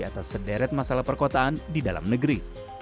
atas sederet masalah perkotaan di dalam negeri